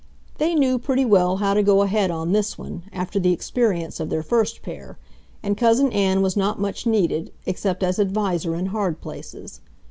They knew pretty well how to go ahead on this one, after the experience of their first pair, and Cousin Ann was not much needed, except as adviser in hard places.